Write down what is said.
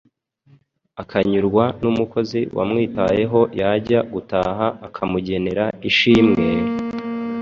akanyurwa n’umukozi wamwitayeho yajya gutaha akamugenera ishimwe,